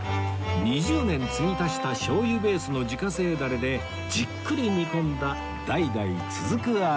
２０年つぎ足した醤油ベースの自家製ダレでじっくり煮込んだ代々続く味３３２。